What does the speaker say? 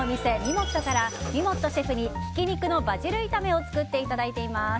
もっとから、みもっとシェフにひき肉のバジル炒めを作っていただいています。